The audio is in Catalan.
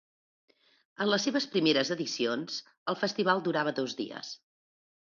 En les seves primeres edicions, el festival durava dos dies.